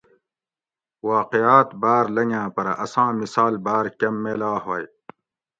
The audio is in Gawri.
واقعاۤت باۤر لنگاۤں پرہ اساں مثال بار کۤم میلا ھوئ